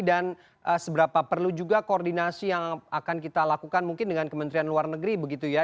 dan seberapa perlu juga koordinasi yang akan kita lakukan mungkin dengan kementerian luar negeri begitu ya